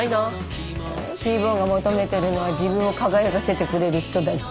ヒー坊が求めてるのは自分を輝かせてくれる人だっけ？